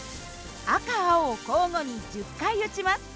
赤青交互に１０回撃ちます。